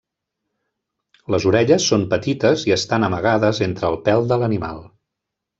Les orelles són petites i estan amagades entre el pèl de l'animal.